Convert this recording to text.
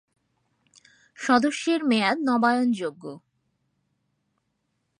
সদস্যের মেয়াদ নবায়নযোগ্য।